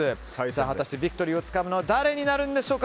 果たしてビクトリーをつかむのは誰になるんでしょうか。